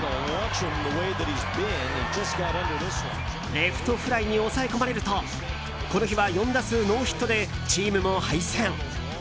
レフトフライに抑え込まれるとこの日は４打数ノーヒットでチームも敗戦。